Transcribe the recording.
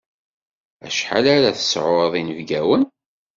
Acḥal ara tesɛuḍ inebgawen?